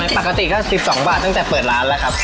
ปกติก็๑๒บาทตั้งแต่เปิดร้านแล้วครับ